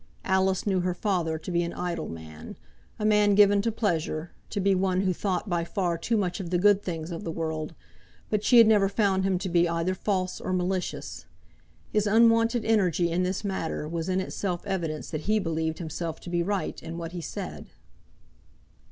Alice knew her father to be an idle man, a man given to pleasure, to be one who thought by far too much of the good things of the world; but she had never found him to be either false or malicious. His unwonted energy in this matter was in itself evidence that he believed himself to be right in what he said.